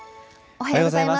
おはようございます。